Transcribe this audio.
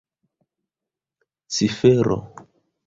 cifero